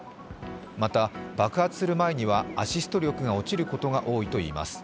また、爆発する前にはアシスト力が落ちることが多いといいます。